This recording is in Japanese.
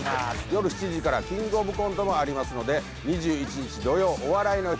夜７時から「キングオブコント」もありますので２１日土曜「お笑いの日」